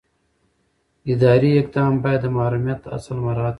اداري اقدام باید د محرمیت اصل مراعات کړي.